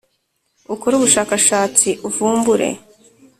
ukore ubushakashatsi uvumbure.